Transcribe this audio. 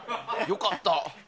良かった。